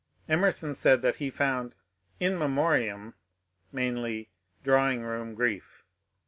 Emerson said that he found ^^In Memoriam " mainly " drawing room grief."